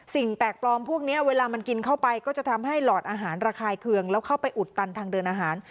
สิ่งแปลกปลอมพวกนี้เวลามันกินเข้าไปก็จะทำให้หลอดอาหารระคายเคืองแล้วเข้าไปอุดตันทางเดินอาหาร